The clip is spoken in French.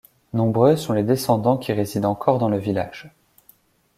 Nombreux sont les descendants qui résident encore dans le village.